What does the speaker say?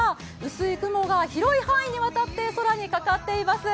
薄い雲が広い範囲にわたって空にかかっています。